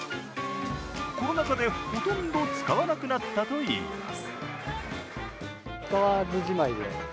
コロナ禍でほとんど使わなくなったといいます。